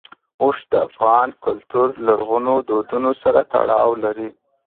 اوښ د افغان کلتور او لرغونو دودونو سره تړاو لري.